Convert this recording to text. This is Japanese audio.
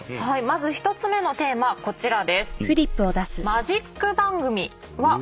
まず１つ目のテーマこちらです。